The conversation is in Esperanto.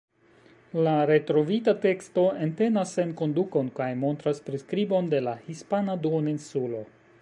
La retrovita teksto entenas enkondukon kaj montras priskribon de la hispana duoninsulo.